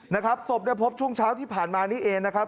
นะครับศพได้พบช่วงเช้าที่ผ่านมานี้เองนะครับ